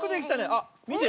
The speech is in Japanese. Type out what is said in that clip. あっみて。